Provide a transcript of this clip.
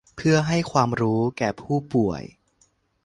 เพื่อให้ความรู้แก่ผู้ป่วย